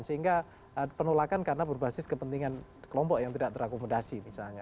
sehingga penolakan karena berbasis kepentingan kelompok yang tidak terakomodasi misalnya